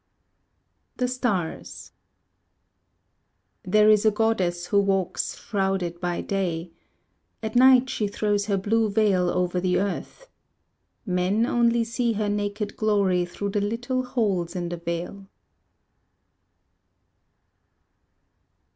The Stars There is a goddess who walks shrouded by day: At night she throws her blue veil over the earth. Men only see her naked glory through the little holes in the veil.